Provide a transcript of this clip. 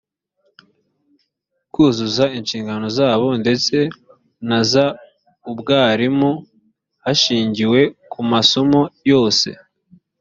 kuzuza inshingano zabo ndetse na zaubwarimu hashingiwe ku masomo yose